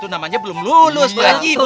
namanya belum lulus bu haji